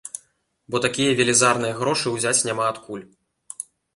Бо такія велізарныя грошы ўзяць няма адкуль.